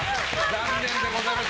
残念でございます。